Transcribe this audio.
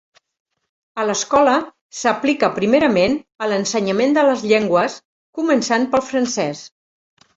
A l'escola s'aplica primerament a l'ensenyament de les llengües, començant pel francès.